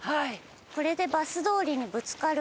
これでバス通りにぶつかるんですかね？